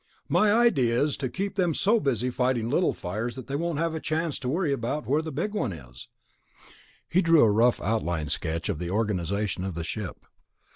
"My idea is to keep them so busy fighting little fires that they won't have a chance to worry about where the big one is." He drew a rough outline sketch of the organization of the ship.